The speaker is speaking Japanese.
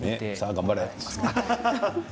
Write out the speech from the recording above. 頑張れ。